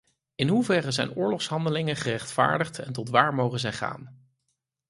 In hoeverre zijn oorlogshandelingen gerechtvaardigd en tot waar mogen zij gaan?